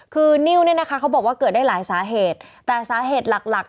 คือนิ้วเนี่ยนะคะเขาบอกว่าเกิดได้หลายสาเหตุแต่สาเหตุหลักหลัก